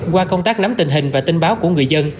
qua công tác nắm tình hình và tin báo của người dân